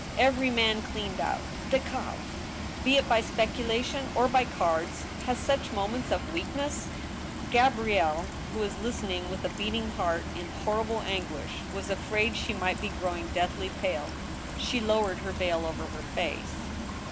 Every man cleaned out — ddcdvi — be it by speculation or by cards — has such moments of weak ness —" Gabrielle, who was listening ^with a beating heart, in horrible anguish, was afraid she might be growing deathly pale. She lowered her veil over her face.